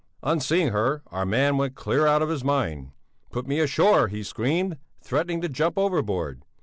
On seeing her, our man went clear out of his mind. Put me ashore! he screamed, threatening to jump overboard.